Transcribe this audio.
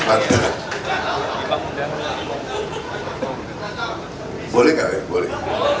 ketua fatayat nu ibu margaret aliatul maimonah